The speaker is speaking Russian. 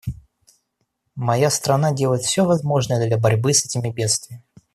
Моя страна делает все возможное для борьбы с этими бедствиями.